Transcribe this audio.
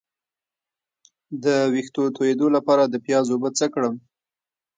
د ویښتو تویدو لپاره د پیاز اوبه څه کړم؟